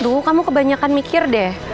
aduh kamu kebanyakan mikir deh